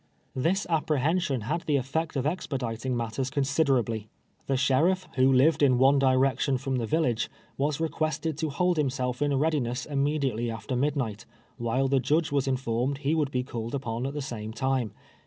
This apprehension had the efi'ect of expediting mat 300 nVKLVE TEARS A SLAVE. ters considerably. Tlie slierilt", wlio lived in one direc tion from the villui^e, was requested to hold himself in readiness immediately after midnight, while the Jud^'e was informed he would be called upon at the same time.